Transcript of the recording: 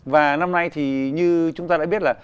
và năm nay thì như chúng ta đã biết là